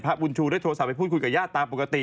บุญชูได้โทรศัพท์ไปพูดคุยกับญาติตามปกติ